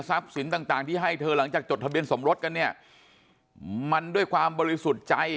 สินต่างที่ให้เธอหลังจากจดทะเบียนสมรสกันเนี่ยมันด้วยความบริสุทธิ์ใจ